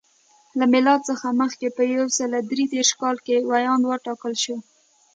له میلاد څخه مخکې په یو سل درې دېرش کال کې ویاند وټاکل شو.